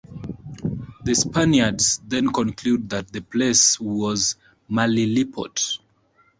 The Spaniards then conclude that the place was "Malilipot".